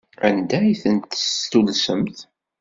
Anda ay tent-testullsemt?